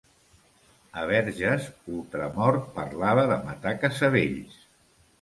A Verges, Ultramort parlava de matar Casavells.